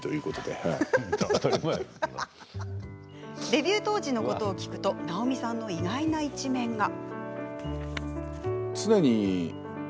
デビュー当時のことを聞くと直美さんの意外な一面が。